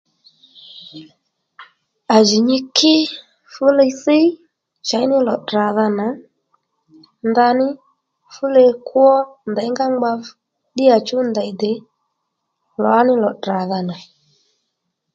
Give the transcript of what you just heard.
À jì nyi kí fúli thíy chěy ní lò tdràdha nà ndaní fúli kwó nděynga ngba ddíyàchú ndèy dè lǎní lò tdràdha nà